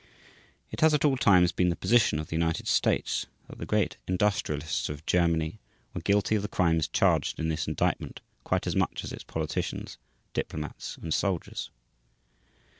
It has at all times been the position of the United States that the great industrialists of Germany were guilty of the crimes charged in this Indictment quite as much as its politicians, diplomats, and soldiers.